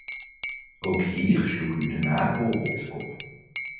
Ook hier sloeg u de nagel op de kop.